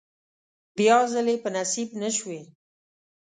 بیا ځلې په نصیب نشوې.